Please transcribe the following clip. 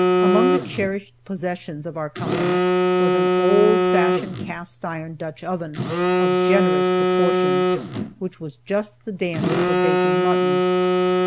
Among the cherished possessions of our company was an old fashioned cast iron Dutch oven, of generous proportions, which was just the dandy for baking mutton.